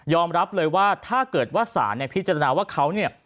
รับเลยว่าถ้าเกิดว่าศาลพิจารณาว่าเขาเนี่ย